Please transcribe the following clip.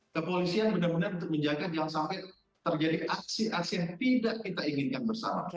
kepolisian benar benar untuk menjaga jangan sampai terjadi aksi aksi yang tidak kita inginkan bersama